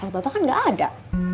bapak bapak kan gak ada